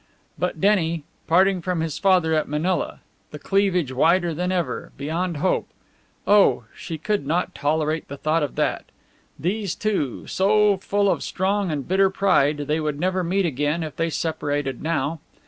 But Denny, parting from his father at Manila, the cleavage wider than ever, beyond hope! Oh, she could not tolerate the thought of that! These two, so full of strong and bitter pride they would never meet again if they separated now.